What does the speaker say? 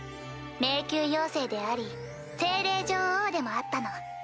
迷宮妖精であり精霊女王でもあったの。